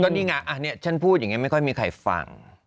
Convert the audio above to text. นี่ไงอันนี้ฉันพูดอย่างนี้ไม่ค่อยมีใครฟัง